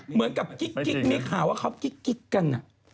เหมือนกับกิ๊กมีข่าวว่าเขากิ๊กกัน